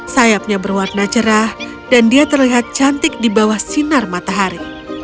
sayapnya berwarna cerah dan dia terlihat cantik di bawah sinar matahari